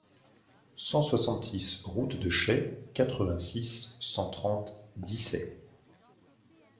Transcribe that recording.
cent soixante-six route de Chaix, quatre-vingt-six, cent trente, Dissay